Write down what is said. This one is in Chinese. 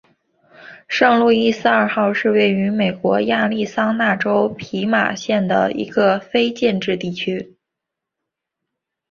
圣路易斯二号是位于美国亚利桑那州皮马县的一个非建制地区。